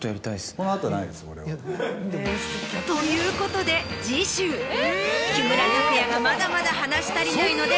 この後ないです俺は。ということで木村拓哉がまだまだ話し足りないので。